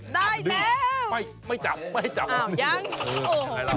ได้แล้ว